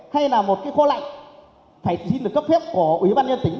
hay là một cái kho lạnh phải xin được cấp phép của ủy ban nhân tỉnh